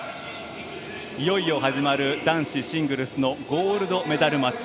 いよいよ始まる男子シングルスのゴールドメダルマッチ。